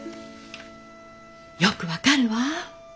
よく分かるわ。